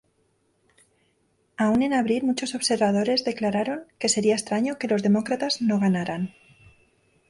Aún en abril muchos observadores declararon que sería extraño que los demócratas no ganaran.